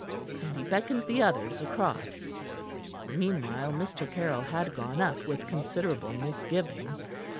And he beckoned the others across. Meanwhile Mr. Caryll had gone up with considerable misgivings.